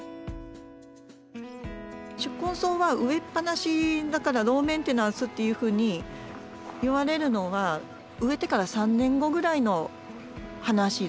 宿根草は植えっぱなしだからローメンテナンスというふうにいわれるのは植えてから３年後ぐらいの話です。